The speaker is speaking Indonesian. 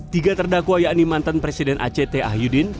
tiga terdakwa yakni mantan presiden act ahyudin